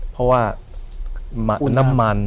เพราะว่าน้ำมัน